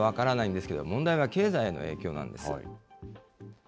それはまだ分からないんですけども、問題は経済への影響なんです。